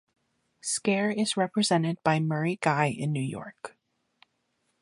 Skaer is represented by Murray Guy in New York.